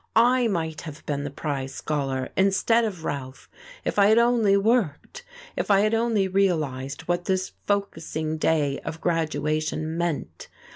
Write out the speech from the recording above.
I might have been the prize scholar, instead of Ralph, if I had only worked, if I had only realized what this focussing day of graduation meant!